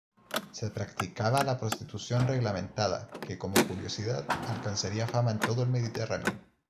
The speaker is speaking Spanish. Se practicaba la prostitución reglamentada que, como curiosidad, alcanzaría fama en todo el Mediterráneo.